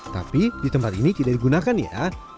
tapi di tempat ini tidak digunakan ya